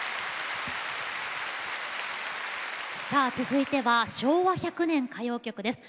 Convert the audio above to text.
さあ続いては「昭和１００年歌謡曲」です。